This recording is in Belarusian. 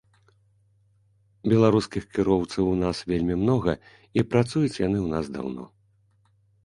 Беларускіх кіроўцаў у нас вельмі многа, і працуюць яны ў нас даўно.